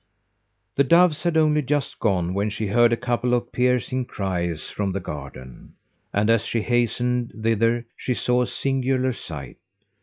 The doves had only just gone when she heard a couple of piercing cries from the garden, and as she hastened thither she saw a singular sight.